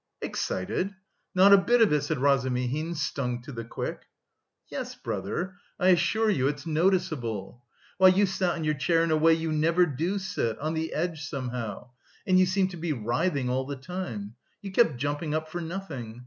"Excited? Not a bit of it," said Razumihin, stung to the quick. "Yes, brother, I assure you it's noticeable. Why, you sat on your chair in a way you never do sit, on the edge somehow, and you seemed to be writhing all the time. You kept jumping up for nothing.